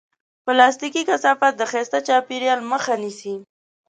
پلاستيکي کثافات د ښایسته چاپېریال مخه نیسي.